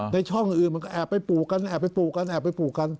ในช่องอื่นมันก็แอบไปปลูกกันแอบไปปลูกกัน